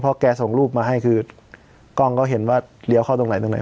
แกส่งรูปมาให้คือกล้องก็เห็นว่าเลี้ยวเข้าตรงไหนตรงไหน